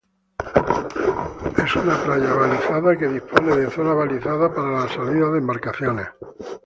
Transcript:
Es una playa balizada que dispone de zona balizada para la salida de embarcaciones.